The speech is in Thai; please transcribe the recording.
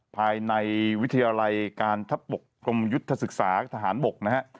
ภายในวิทยาลัยการทัพบกกรมยุทธศึกษาทหารบกนะฮะ